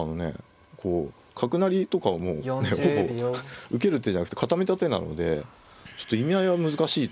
こう角成りとかはもうほぼ受ける手じゃなくて固めた手なのでちょっと意味合いは難しいと思うんですけどね。